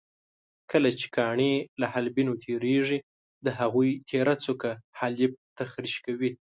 کله چې کاڼي له حالبینو تېرېږي د هغوی تېره څوکه حالب تخریش کوي.